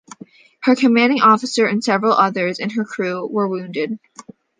Her commanding officer and several others in her crew were wounded.